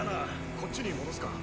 こっちに戻すか。